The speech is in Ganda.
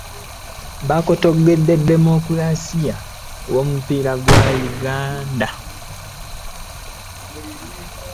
Bakotogedde demokulasiya womupiira gwa Uganda.